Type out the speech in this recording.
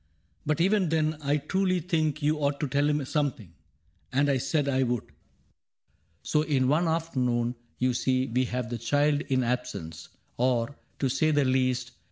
But even then, I truly think you ought To tell him something.' — And I said I would. " So in one afternoon you see we have The child in absence — or, to say the least.